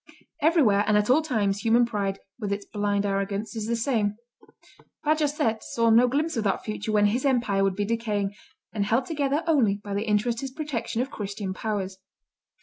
Everywhere and at all times human pride, with its blind arrogance, is the same. Bajazet saw no glimpse of that future when his empire would be decaying, and held together only by the interested protection of Christian powers.